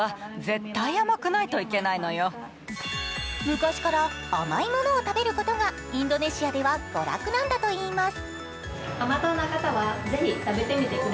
昔から甘いものを食べることがインドネシアでは娯楽なんだといいます。